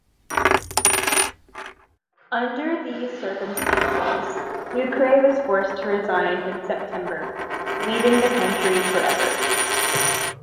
Under these circumstances, Sucre was forced to resign in September, leaving the country forever.